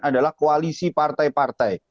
adalah koalisi partai partai